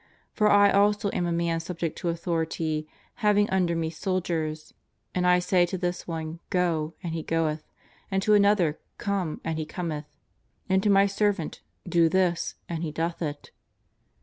For I also am a man subject to authority having under me soldiers; and I say to this one: Go, and he goeth, and to another: Come, and he cometh, and to my servant : Do this, and he doth it."